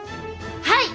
はい！